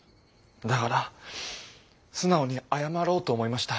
だから素直に謝ろうと思いました。